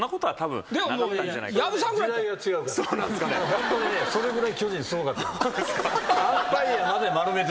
ホントにねそれぐらい巨人すごかった。